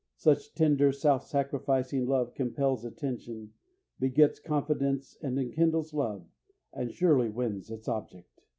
Such tender, self sacrificing love compels attention, begets confidence, enkindles love, and surely wins its object.